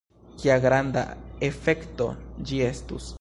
Kia granda efekto ĝi estus!